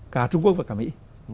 cả trung quốc và cả mỹ